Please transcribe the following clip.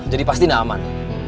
jadi pasti gak aman